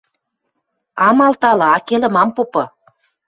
— Ам алталы, акелӹм ам попы!..